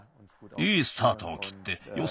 いいスタートをきってよ